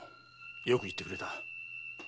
よく言ってくれた。